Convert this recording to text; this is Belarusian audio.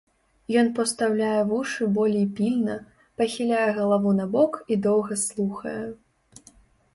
Ён пастаўляе вушы болей пільна, пахіляе галаву набок і доўга слухае.